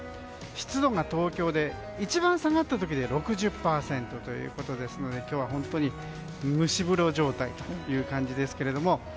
湿度が東京で一番下がった時で６０％ということですので今日は本当に蒸し風呂状態という感じですが。